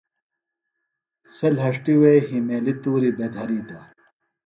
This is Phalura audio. سےۡ لھݜٹِوے ہیمیلیۡ تُوریۡ بےۡ دھریتہ۔